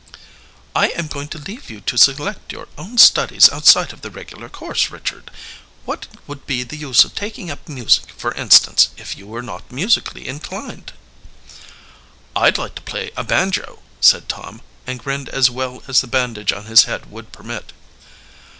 "I am going to leave you to select your own studies outside of the regular course, Richard. What would be the use of taking up music, for instance, if you were not musically inclined." "I'd like to play a banjo," said Tom, and grinned as well as the bandage on his head, would permit.